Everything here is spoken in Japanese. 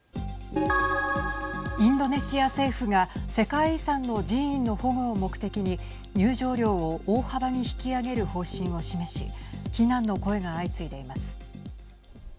インドネシア政府が世界遺産の寺院の保護を目的に入場料を大幅に引き上げる方針を示し非難の声が相次いでいます。